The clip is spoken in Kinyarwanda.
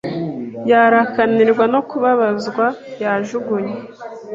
Yarakaye ananirwa no kubabazwa Yajugunye